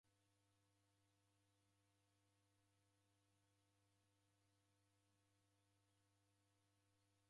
Okumba magome ghape ghose uw'ikie nambai kwa zoghori ya mifugho.